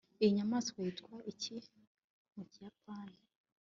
iyi nyamaswa yitwa iki mu kiyapani